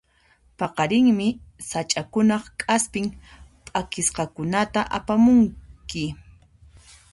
Paqarinmi sach'akunaq k'aspin p'akisqakunata apamunki.